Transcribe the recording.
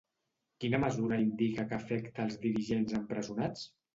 Quina mesura indica que afecta els dirigents empresonats?